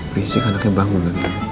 risik anaknya bangun